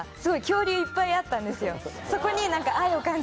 そこに。